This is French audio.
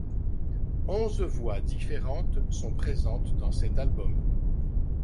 Onze voix différentes sont présentes dans cet album.